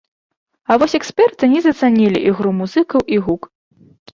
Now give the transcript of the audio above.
А вось эксперты не зацанілі ігру музыкаў і гук.